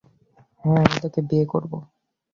হ্যাঁ, আমি তোকে বিয়ে করব।